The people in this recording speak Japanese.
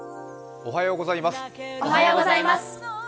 おはようございます。